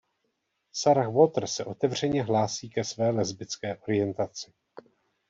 Sarah Water se otevřené hlásí ke své lesbické orientaci.